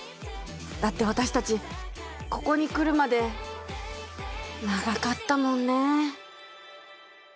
だって私たちここにくるまで長かったもんね。